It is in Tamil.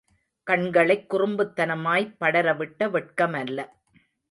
கண்களைக் குறும்புத்தனமாய் படரவிட்ட வெட்கமல்ல.